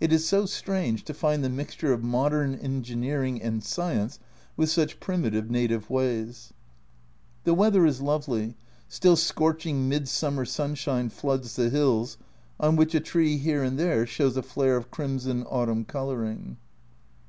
It is so strange to find the mixture of modern engineering and science with such primitive native ways. The weather is lovely, still scorching midsummer sunshine floods the hills, on which a tree here and there shows a flare of crimson autumn colouring.